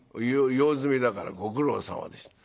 用済みだからご苦労さまでした」。